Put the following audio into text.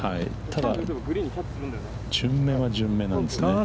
ただ、順目は順目なんですね。